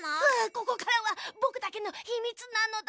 ここからはぼくだけのひみつなのだ！